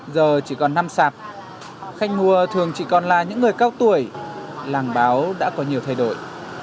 giờ chỉ còn năm sạp khách mua thường chỉ còn là những người cao tuổi làng báo đã có nhiều thay đổi